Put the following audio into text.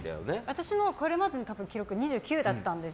私のこれまでの記録は２９だったので。